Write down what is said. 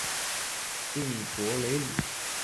蒂珀雷里。